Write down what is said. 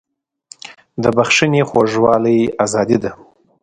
د بښنې خوږوالی ازادي ده.